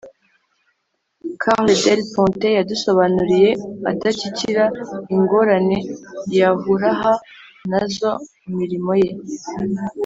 carla del ponte yadusobanuriye adakikira ingorane yahuraha na zo mu mirimo ye